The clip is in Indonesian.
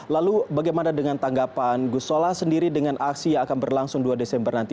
lalu bagaimana dengan tanggapan gusola sendiri dengan aksi yang akan berlangsung dua desember nanti